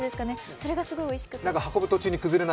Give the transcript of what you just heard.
それがすごいおいしくて。